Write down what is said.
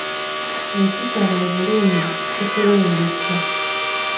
Ekisala obulungi, kikuwa embikka.